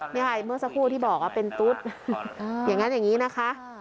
นี่ค่ะเมื่อสักครู่ที่บอกว่าเป็นตุ๊ดอย่างนั้นอย่างนี้นะคะ